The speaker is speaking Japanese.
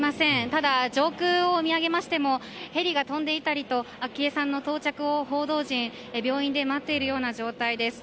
ただ、上空を見上げましてもヘリが飛んでいたりと昭恵さんの到着を報道陣が病院で待っている状態です。